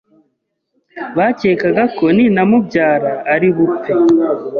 bakekaga ko ninamubyara ari bupfe,